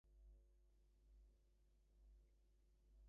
তাঁদের এই একটি ইচ্ছা অন্তত পূর্ণ করতে চেষ্টা করছি।